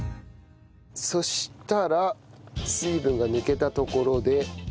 そしたら水分が抜けたところで。